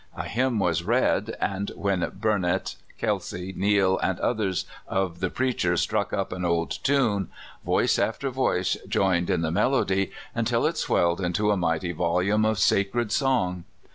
A hymn was read, and when Burnet, Kelsay, Neal, and others of the preachers struck up an old tune, voice after voice joined in the melody until it swelled into a mighty volume of sacred song.